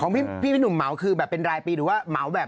ของพี่หนุ่มเหมาคือแบบเป็นรายปีหรือว่าเหมาแบบ